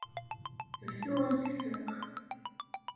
Bdu aseffeq.